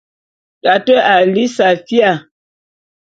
Tate a lí safía.